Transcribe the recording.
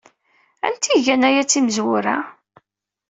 Anti ay igan aya d timezwura?